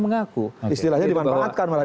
malah dia kata